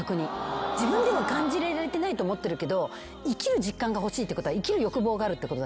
自分では感じられてないと思ってるけど生きる実感が欲しいってことは生きる欲望があるってことだから。